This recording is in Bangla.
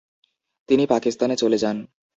তিনি পাকিস্তানে চলে যান।